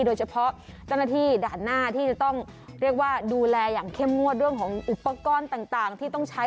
เจ้าหน้าที่ด่านหน้าที่จะต้องเรียกว่าดูแลอย่างเข้มงวดเรื่องของอุปกรณ์ต่างที่ต้องใช้